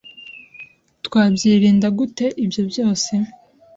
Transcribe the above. Twabyirinda gute ibyo byose